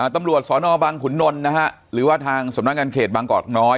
ตำรวจสนบังขุนนลนะฮะหรือว่าทางสำนักงานเขตบางกอกน้อย